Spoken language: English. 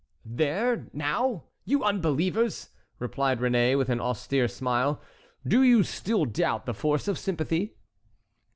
"There, now, you unbelievers!" replied Réné, with an austere smile; "do you still doubt the force of sympathy?"